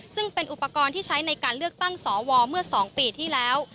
ซึ่งเป็นอุปกรณ์ที่ใช้ในการเลือกตั้งสวเมื่อ๒ปีที่แล้ว